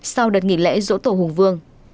sau đợt nghỉ lễ dỗ tổ hùng vương